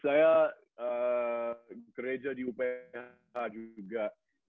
saya gereja di uph juga